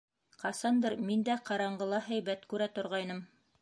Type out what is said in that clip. Ҡасандыр мин дә ҡараңғыла һәйбәт күрә торғайным.